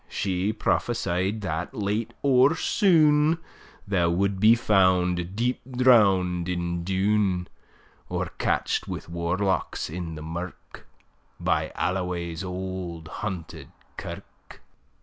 She prophesy'd that late or soon, Thou would be found deep drown'd in Doon; Or catch'd wi' warlocks in the mirk, By Alloway's auld haunted kirk.